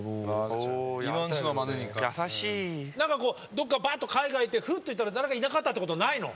どっかばっと海外行ってふっと見たら誰かいなかったってことないの？